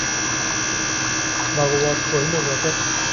ভাগবত কহিল, বটে?